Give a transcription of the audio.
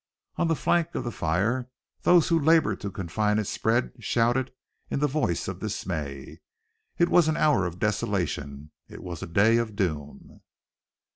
On the flank of the fire those who labored to confine its spread shouted in the voice of dismay. It was an hour of desolation; it was the day of doom.